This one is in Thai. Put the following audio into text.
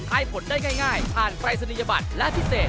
ให้ผลได้ง่ายผ่านปรายศนียบัตรและพิเศษ